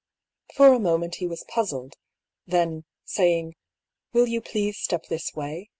For a moment he was puzzled; then, saying, " Please, will you step this way